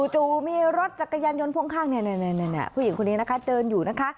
จู่มีรถจักรยานยนต์พ่วงข้างผู้หญิงคนนี้นะคะเดินอยู่นะคะ